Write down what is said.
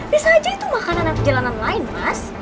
bisa aja itu makanan anak jalanan lain mas